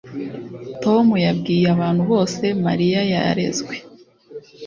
Tom yabwiye abantu bose Mariya yarezwe